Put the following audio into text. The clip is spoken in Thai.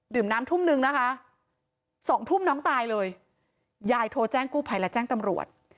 น้ำทุ่มนึงนะคะสองทุ่มน้องตายเลยยายโทรแจ้งกู้ภัยและแจ้งตำรวจ